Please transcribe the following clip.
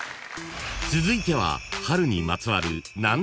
［続いては］